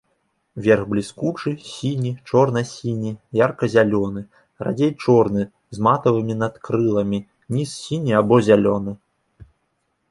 Верх бліскучы, сіні, чорна-сіні, ярка-зялёны, радзей чорны з матавымі надкрыламі, ніз сіні або зялёны.